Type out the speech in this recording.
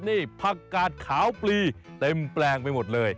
นี่ผักกาดขาวปลีเต็มแปลงไปหมดเลย